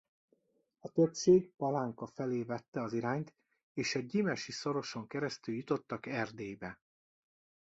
A többség Palánka felé vette az irányt és a Gyimesi-szoroson keresztül jutottak Erdélybe.